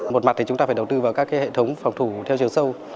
một mặt thì chúng ta phải đầu tư vào các hệ thống phòng thủ theo chiều sâu